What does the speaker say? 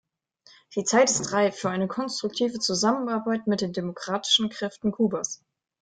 Die Zeit ist reif für eine konstruktive Zusammenarbeit mit den demokratischen Kräften Kubas.